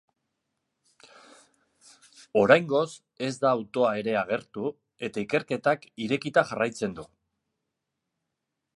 Oraingoz, ez da autoa ere agertu eta ikerketak irekita jarraitzen du.